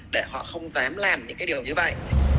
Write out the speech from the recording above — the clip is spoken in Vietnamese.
để họ không dám làm những cái điều như vậy